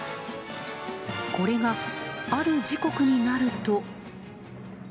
これが、ある時刻になると。